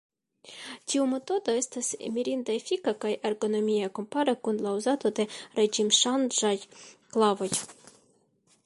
Tiu metodo estas mirinde efika kaj ergonomia kompare kun la uzado de reĝimŝanĝaj klavoj.